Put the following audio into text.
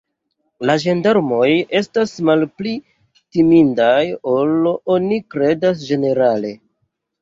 La ĝendarmoj estas malpli timindaj, ol oni kredas ĝenerale.